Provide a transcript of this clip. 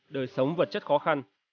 đời sống vật chất khó khăn